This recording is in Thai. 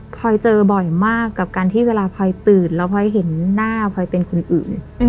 พลอยเจอบ่อยมากกับการที่เวลาพลอยตื่นแล้วพลอยเห็นหน้าพลอยเป็นคนอื่น